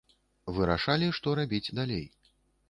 Вырашалі, што рабіць далей.